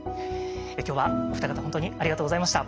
今日はお二方本当にありがとうございました。